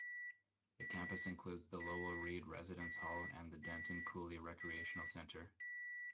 The campus includes the Lowell Reed Residence Hall and the Denton Cooley Recreational Center.